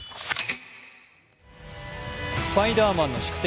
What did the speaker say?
スパイダーマンの宿敵